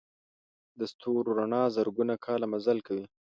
د ستورو رڼا زرګونه کاله مزل کوي.